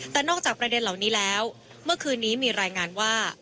แต่นอกจากประเด็นเหล่านี้แล้วเมื่อคืนนี้มีรายงานว่า